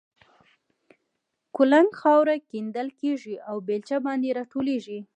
کولنګ خاوره کیندل کېږي او بېلچه باندې را ټولېږي.